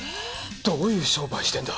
どういう商売してんだ？